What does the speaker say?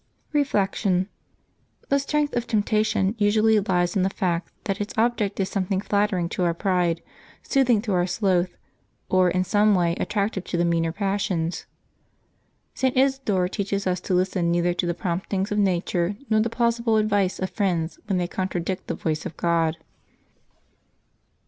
Reflection. — The strength of temptation usually lies in the fact that its object is something flattering to our pride, soothing to our sloth, or in some way attractive to the meaner passions. St. Isidore teaches us to listen neither to the promptings of nature nor the plausible advice of friends when they contradict the voice of God.